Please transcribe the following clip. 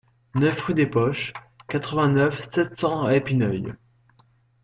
neuf rue des Poches, quatre-vingt-neuf, sept cents à Épineuil